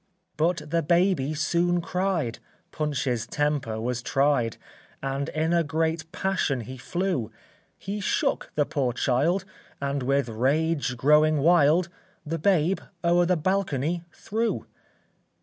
But the baby soon cried; Punch's temper was tried, And in a great passion he flew; He shook the poor child, And, with rage growing wild, The babe o'er the balcony threw.